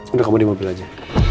untuk kamu di mobil aja